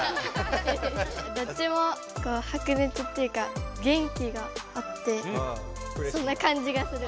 どっちも白熱っていうか元気があってそんなかんじがする。